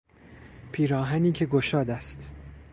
پیراهنی که گشاد است